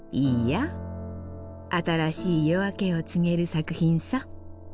いいや新しい夜明けを告げる作品さ。